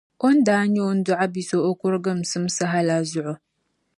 o ni daa nyɛ o ni dɔɣi bi so o kuriginsim saha la zuɣu.